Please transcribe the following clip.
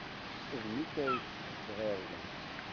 D nekk ay teqqes tɣirdemt.